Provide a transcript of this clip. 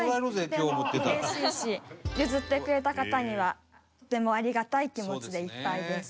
譲ってくれた方にはとてもありがたい気持ちでいっぱいです。